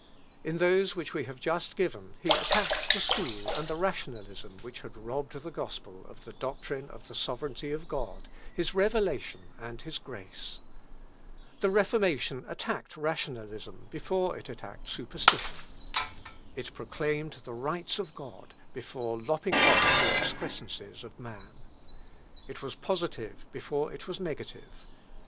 In those which we have just given he attacked the school and the rationalism which had robbed the gospel of the doctrine of the sovereignty of God, his revelation and his grace. The Reformation attacked rationalism before it attacked superstition. It proclaimed the rights of God before lopping off the excrescences of man. It was positive before it was negative.